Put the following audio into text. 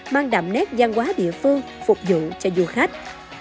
mang đậm nét văn hóa địa phương phục vụ cho du khách